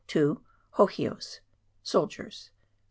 Hohios (soldiers).